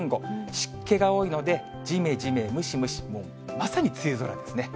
湿気が多いので、じめじめ、ムシムシ、もうまさに梅雨空ですね。